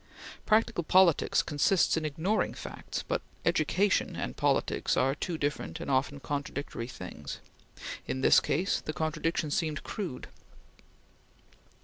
Practical politics consists in ignoring facts, but education and politics are two different and often contradictory things. In this case, the contradiction seemed crude.